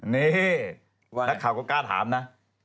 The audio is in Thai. นี่นักข่าวก็กล้าถามนะ